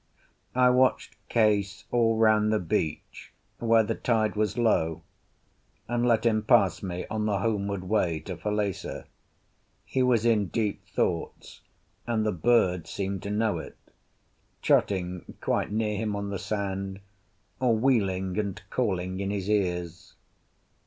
I watched Case all round the beach, where the tide was low; and let him pass me on the homeward way to Falesá. He was in deep thought, and the birds seemed to know it, trotting quite near him on the sand, or wheeling and calling in his ears.